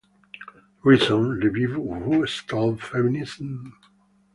"Reason" reviewed "Who Stole Feminism?